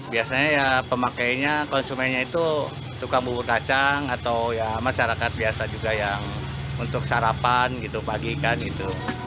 biasanya ya pemakainya konsumennya itu tukang bubur kacang atau ya masyarakat biasa juga yang untuk sarapan gitu pagi kan gitu